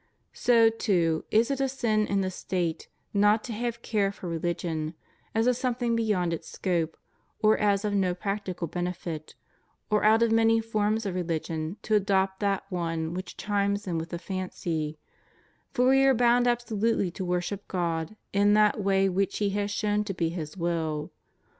So, too, is it a sin in the State not to have care for religion, as a something beyond its scope, or as of no practical benefit; or out of many forms of reUgion to adopt that one which chimes in with the fancy; for we are bound absolutely to worship God in that way which He has shown to be His will.